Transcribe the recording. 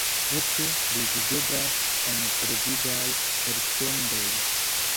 Ofte li videblas en televidaj elsendoj.